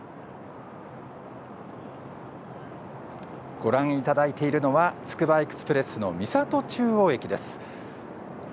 ご覧いただいているのはつくばエクスプレスの三郷中央駅です。